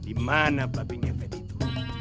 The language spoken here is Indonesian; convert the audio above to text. di mana apinya feth itu